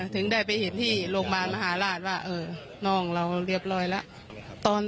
ถึงได้ไปเห็นที่โรงพยาบาลมหาราชว่าน้องเราเรียบร้อยแล้ว